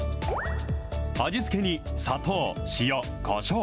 味付けに砂糖、塩、こしょう。